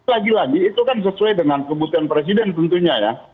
lagi lagi itu kan sesuai dengan kebutuhan presiden tentunya ya